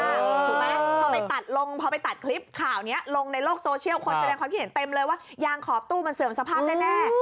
ถูกไหมพอไปตัดลงพอไปตัดคลิปข่าวนี้ลงในโลกโซเชียลคนแสดงความคิดเห็นเต็มเลยว่ายางขอบตู้มันเสื่อมสภาพแน่